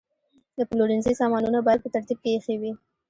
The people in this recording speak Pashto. د پلورنځي سامانونه باید په ترتیب کې ایښي وي.